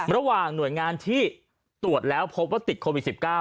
ระหว่างหน่วยงานที่ตรวจแล้วพบว่าติดโควิด๑๙